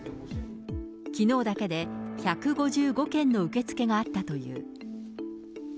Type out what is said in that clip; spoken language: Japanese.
きのうだけで１５５件の受け付けがあったという。